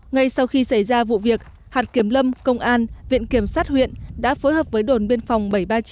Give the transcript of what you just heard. ngay sau khi xảy ra vụ việc hạt kiểm lâm công an viện kiểm sát huyện đã phối hợp với đồn biên phòng bảy trăm ba mươi chín